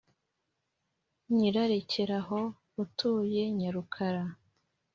Nyirarekeraho utuye Nyarukara